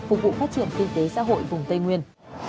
phục vụ phát triển kinh tế xã hội vùng tây nguyên